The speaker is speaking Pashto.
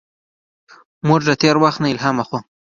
موږ له تېر وخت نه الهام اخلو.